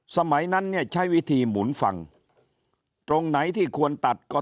สมัยนั่นใช้วิธีหมุนฝั่งตรงไหนที่ควรตัด